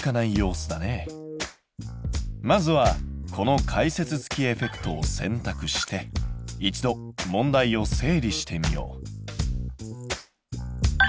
まずはこの解説付きエフェクトを選択して一度問題を整理してみよう。